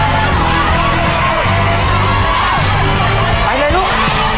เร็วเร็วเร็ว